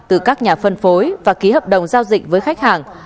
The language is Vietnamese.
từ các nhà phân phối và ký hợp đồng giao dịch với khách hàng